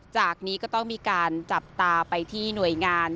จากนี้ก็ต้องมีการจับตาไปที่หน่วยงาน